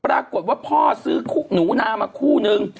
ปรากฏว่าพ่อซื้อหนูนามาคู่นึง